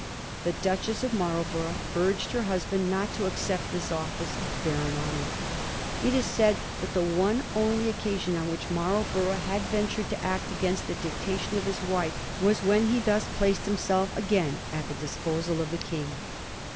The Duchess of Marl borough urged her husband not to accept this office of barren honour. It is said that the one only oc casion on which Marlborough had ventured to act against the dictation of his wife was when he thus placed himself again at the disposal of the King.